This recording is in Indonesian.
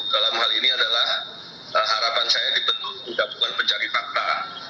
dalam hal ini adalah harapan saya dibentuk gabungan pencari fakta